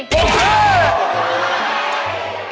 โอ้โฮ